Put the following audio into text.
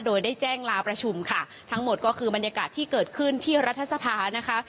โดยได้แจ้งลาประชุมค่ะทั้งหมดก็คือบรรยากาศที่เกิดขึ้นที่รัฐสภานะคะ